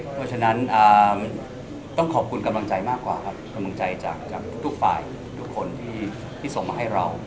เพราะฉะนั้นต้องขอบคุณกำลังใจมากกว่าครับกำลังใจจากทุกฝ่ายทุกคนที่ส่งมาให้เรา